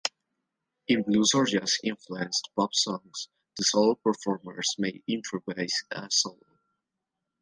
In blues- or jazz-influenced pop songs, the solo performers may improvise a solo.